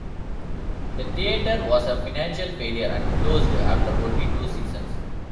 The theatre was a financial failure and closed after only two seasons.